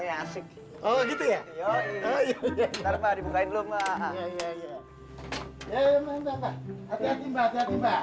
ya si mbak juga sudah